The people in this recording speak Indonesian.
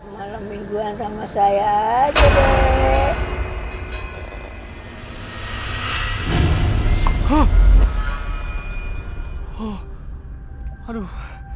malem mingguan sama saya sudah